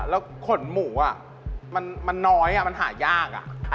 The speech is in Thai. แล้วขนหมูอ่ะมันน้อยอ่ะมันหายากอ่ะ